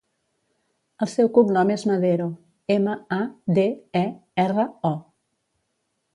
El seu cognom és Madero: ema, a, de, e, erra, o.